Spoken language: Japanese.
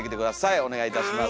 お願いいたします。